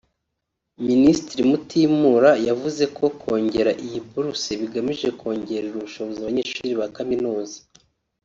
Minisitiri Mutimura yavuze ko kongera iyi buruse bigamije kongerera ubushobozi abanyeshuri ba Kaminuza